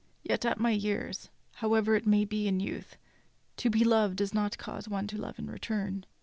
Yet at my years, however it may be in youth, to be loved does not cause one to love in return.